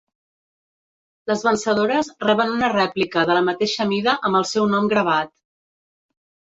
Les vencedores reben una rèplica de la mateixa mida amb el seu nom gravat.